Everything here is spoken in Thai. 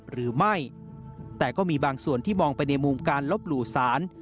หรือไม่แต่ก็มีบางส่วนที่มองไปในมุมการลบหลู่สาร